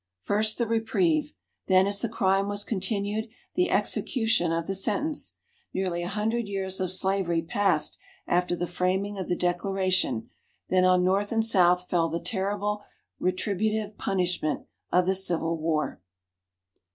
First the reprieve! Then as the crime was continued, the execution of the sentence! Nearly a hundred years of slavery passed after the framing of the Declaration, then on North and South fell the terrible retributive punishment of the Civil War.